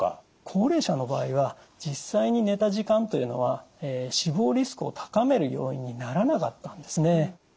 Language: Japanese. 高齢者の場合は実際に寝た時間というのは死亡リスクを高める要因にならなかったんですね。